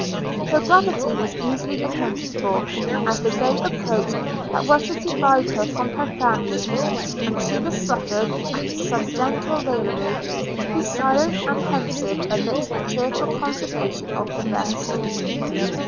Her gravity was easily accounted for, as the day approached that was to divide her from her family; and she was suffered, after some gentle raillery, to be silent and pensive amidst the cheerful conversation of the rest.